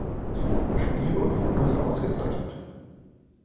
Spiel und Photos ausgezeichnet.